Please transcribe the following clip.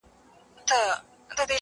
په جهان کي به خوره وره غوغا سي,